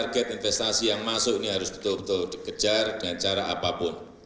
target investasi yang masuk ini harus betul betul dikejar dengan cara apapun